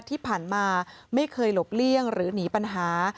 ที่ผ่านมาไม่เคยหลบเลี่ยงหรือหนีปัญหา